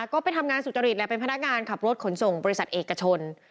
ก็ไปทำงานสุจริตแหละเป็นพนักงานขับรถขนส่งบริษัทเอกชน